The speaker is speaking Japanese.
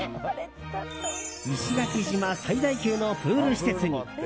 石垣島最大級のプール施設に。